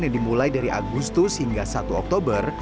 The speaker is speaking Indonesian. yang dimulai dari agustus hingga satu oktober